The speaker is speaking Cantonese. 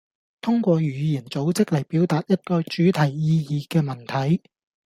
通過語言組織嚟表達一個主題意義嘅文體